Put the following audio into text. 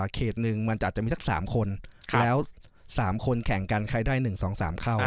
เขตหนึ่งมันอาจจะมีสัก๓คนแล้ว๓คนแข่งกันใครได้๑๒๓เข้า